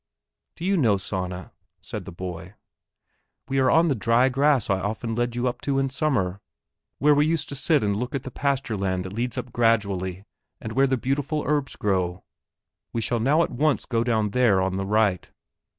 "Do you know, Sanna," said the boy, "we are on the dry grass I often led you up to in summer, where we used to sit and look at the pasture land that leads up gradually and where the beautiful herbs grow. We shall now at once go down there on the right."